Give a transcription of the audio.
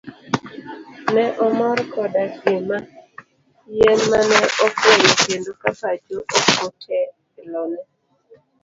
Ne omor koda gima nyien mane ofwenyo kendo ka pacho okotelone.